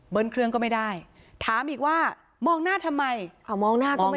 เครื่องก็ไม่ได้ถามอีกว่ามองหน้าทำไมมองหน้าก็ไม่